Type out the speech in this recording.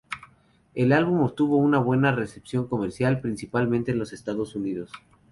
El álbum Obtuvo una Buena recepción comercial, principalmente en los Estados Unidos.